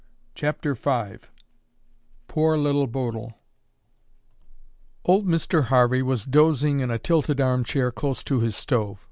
CHAPTER V POOR LITTLE BODIL Old Mr. Harvey was dozing in a tilted armchair close to his stove.